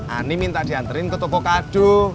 ani minta diantarin ke toko kado